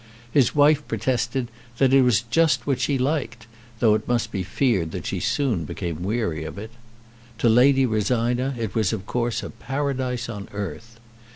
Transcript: His wife protested that it was just what she liked, though it must be feared that she soon became weary of it. To Lady Rosina it was of course a Paradise on earth.